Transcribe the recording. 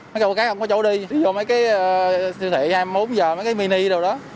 mấy cái không có chỗ đi đi vòng mấy cái siêu thị hai mươi bốn h mấy cái mini đồ đó